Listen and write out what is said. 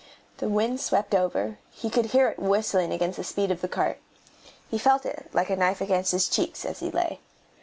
The wind swept over; he could hear it whistling against the speed of the cart; he felt it like a knife against his cheeks as he lay.